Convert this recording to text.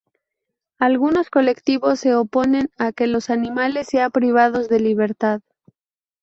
Algunos colectivos se oponen a que los animales sean privados de libertad.